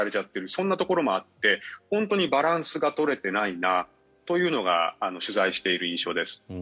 そんなところもあって本当にバランスが取れてないなというのが取材している印象です。